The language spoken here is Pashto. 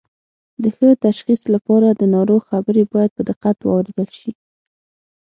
د ښه تشخیص لپاره د ناروغ خبرې باید په دقت واوریدل شي